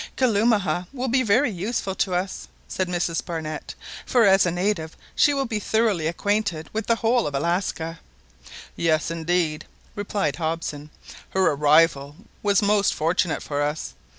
"Kalumah will be very useful to us," said Mrs Barnett, "for as a native she will be thoroughly acquainted with the whole of Alaska." "Yes, indeed," replied Hobson, "her arrival was most fortunate for us.